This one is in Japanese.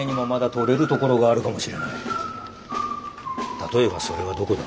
例えばそれはどこだ？